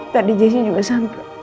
tadi jessy juga sampai